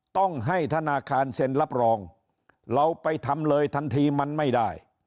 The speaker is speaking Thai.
ต้องให้ธนาคารเซ็นรับรองเราไปทำเลยทันทีมันไม่ได้